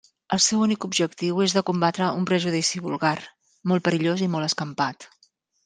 El seu únic objectiu és de combatre un prejudici vulgar, molt perillós i molt escampat.